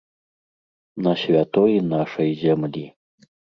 На святой нашай зямлі.